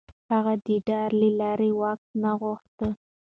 هغه د ډار له لارې واک نه غوښت.